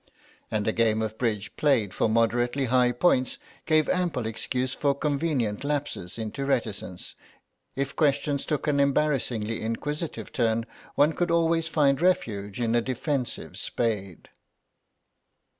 And a game of bridge, played for moderately high points, gave ample excuse for convenient lapses into reticence; if questions took an embarrassingly inquisitive turn, one could always find refuge in a defensive spade.